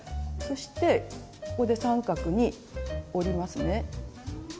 そしてここで三角に折りますね。